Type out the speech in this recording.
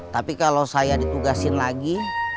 tapi kalau saya ditugasin lagi